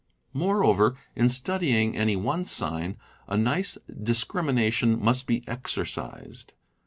Moreover, in studying any one sign, a nice discrimina tion must be exercised.